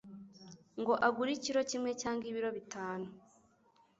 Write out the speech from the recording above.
ngo agure ikiro kimwe cyangwa ibiro bitanu